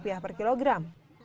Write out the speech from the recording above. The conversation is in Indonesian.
kenaikan harga daging ayam